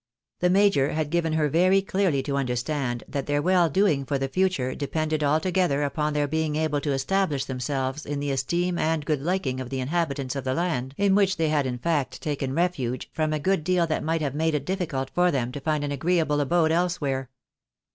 The major had given her very clearly to under stand, that their weU doing for the future depended altogether upon their being able to establish themselves in the esteem and good liking of the inhabitants of the land in which they had in fact taken refuge, from a good deal that might have made it difficult for them to find an agreeable abode elsewhere.